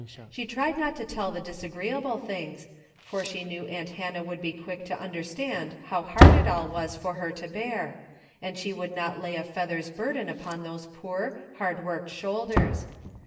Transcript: She tried not to tell the disagreeable things, for she kneAv aunt Hannah Avould be quick to un derstand hoAv hard it all Avas for her to bear, and she Avould not lay a feather's burden upon those dear hard Avorked shoulders.